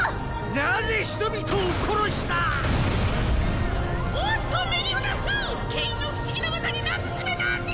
なぜ人々を殺した⁉おっとメリオダフケインの不思議な技になす術なし。